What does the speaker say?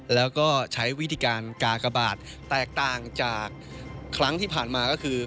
แล้วก็ใช้วิธีการกากบาทแตกต่างจากครั้งที่ผ่านมาก็คือ